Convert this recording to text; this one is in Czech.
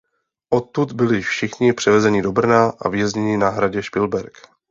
Odtud byli všichni převezeni do Brna a vězněni na hradě Špilberk.